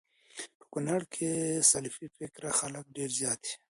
په کونړ کي سلفي فکره خلک ډير زيات دي